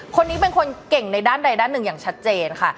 คนนี้เป็นคนเก่งในด้านใดด้านหนึ่งอย่างชัดเจนค่ะ